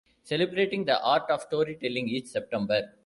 Celebrating the Art of Storytelling each September.